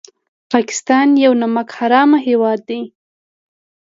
پاکستان یو نمک حرام هېواد دی